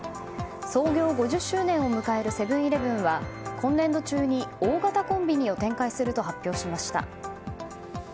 創業５０周年を迎えるセブン‐イレブンは今年度中に大型コンビニを展開すると発表しました。